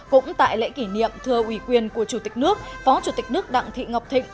cũng tại lễ kỷ niệm thưa ủy quyền của chủ tịch nước phó chủ tịch nước đặng thị ngọc thịnh